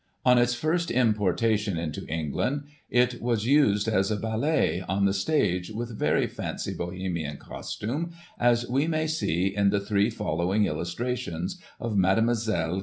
" On its first importation into England, it was used as a ballet, on the stage, with very fancy Bohemian costume, as we may see in the three following illustrations of Mdlle.